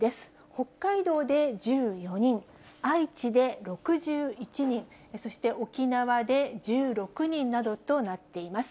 北海道で１４人、愛知で６１人、そして沖縄で１６人などとなっています。